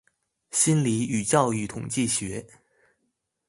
心理與教育統計學